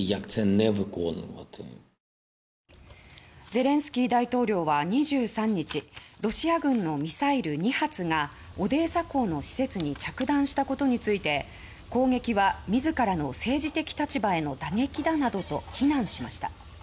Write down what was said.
ゼレンスキー大統領は２３日ロシア軍のミサイル２発がオデーサ港の施設に着弾したことについて攻撃は自らの政治的立場への打撃だなどと厳しく非難しました。